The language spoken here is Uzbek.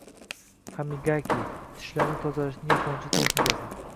Hamigaki: tishlarni tozalashning yaponcha texnikasi